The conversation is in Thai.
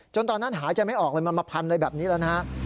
จนตอนนั้นหายจะไม่ออกเลยมันมาพันเลยแบบนี้แล้ว